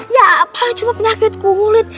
ya apa cuma penyakit kulit